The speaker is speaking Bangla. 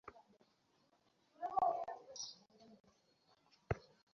বাহ, বাহ, দারুন!